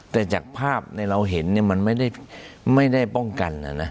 แต่จากภาพเราเห็นมันไม่ได้ป้องกัน